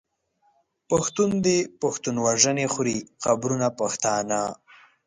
پښتون دی پښتون وژني خوري قبرونه پښتانه